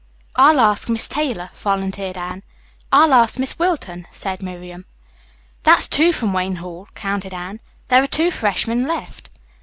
"I'll ask Miss Taylor," volunteered Anne. "I'll ask Miss Wilton," said Miriam. "That's two from Wayne Hall," counted Anne. "There are two freshmen left."